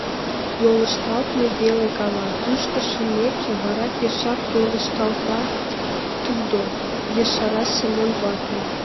— Йолышталтме веле гала, тушко шумеке, вара пешак йолышталтат тудо! — ешара Семон вате.